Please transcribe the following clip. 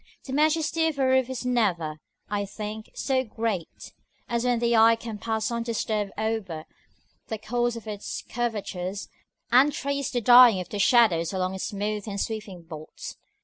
The majesty of a roof is never, I think, so great, as when the eye can pass undisturbed over the course of all its curvatures, and trace the dying of the shadows along its smooth and sweeping vaults.